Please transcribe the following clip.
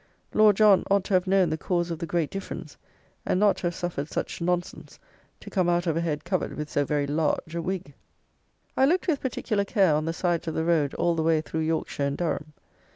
Lord John ought to have known the cause of the great difference, and not to have suffered such nonsense to come out of a head covered with so very large a wig. I looked with particular care on the sides of the road all the way through Yorkshire and Durham.